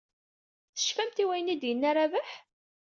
Tecfamt i wayen i d-yenna Rabaḥ?